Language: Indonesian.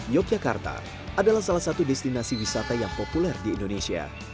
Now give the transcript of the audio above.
yogyakarta adalah salah satu destinasi wisata yang populer di indonesia